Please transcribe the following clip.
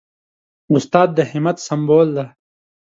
استاد د همت سمبول دی.